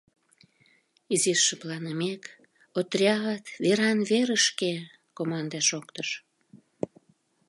Изиш шыпланымек: — Отряд, веран-верышке! — команде шоктыш.